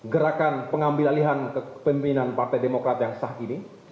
gerakan pengambil alihan kepemimpinan partai demokrat yang sah ini